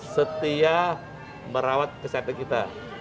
setia merawat kesehatan kita